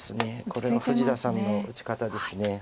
これが富士田さんの打ち方です。